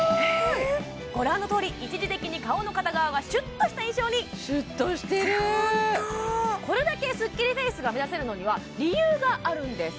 ご覧のとおり一時的に顔の片側がシュッとした印象にシュッとしてるホントこれだけスッキリフェイスが目指せるのには理由があるんです